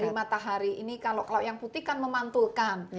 di matahari ini kalau yang putih kan memantulkan